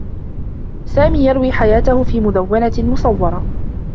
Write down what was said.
سامي يروي حياته في مدوّنة مصوّرة.